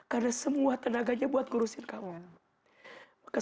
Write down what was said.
karena semua tenaganya buat ngurusin kamu